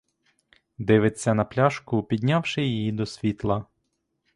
Дивиться на пляшку, піднявши її до світла.